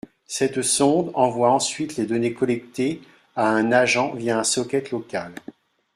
Cette sonde envoie ensuite les données collectées à un agent via un socket local.